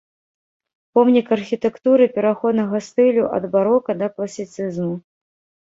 Помнік архітэктуры пераходнага стылю ад барока да класіцызму.